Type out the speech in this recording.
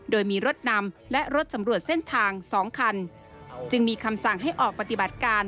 โดยมีรถนำและรถสำรวจเส้นทางสองคันจึงมีคำสั่งให้ออกปฏิบัติการ